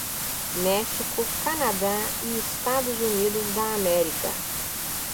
México, Canadá e Estados Unidos da América.